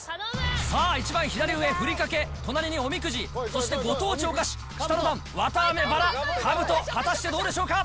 さあ、一番左上、ふりかけ、隣におみくじ、そしてご当地お菓子、下の段、綿あめ、バラ、かぶと、果たしてどうでしょうか？